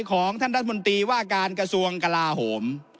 ของท่านรัฐมนตรีว่าการกระทรวงกลาโหม